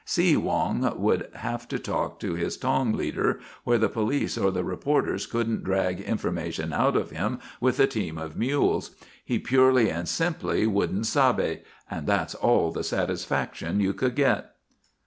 See Wong would have to talk to his tong leader where the police or the reporters couldn't drag information out of him with a team of mules. He purely and simply wouldn't 'sabe,' and that's all the satisfaction you could get.